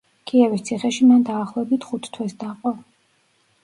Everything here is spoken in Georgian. კიევის ციხეში მან დაახლოებით ხუთ თვეს დაყო.